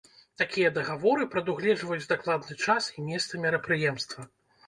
Такія дагаворы прадугледжваюць дакладны час і месца мерапрыемства.